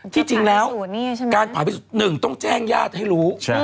ที่จริงแล้วการผ่าพิสูจน์๑ต้องแจ้งญาติให้รู้